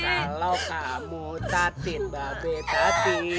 kalau kamu tatit babe pati